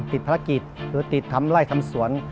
ติดภารกิจหรือติดรับไล่ทำศวร